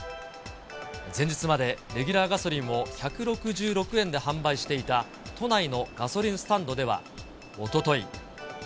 前日までレギュラーガソリンを１６６円で販売していた都内のガソリンスタンドでは、おととい。